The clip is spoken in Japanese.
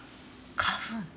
花粉？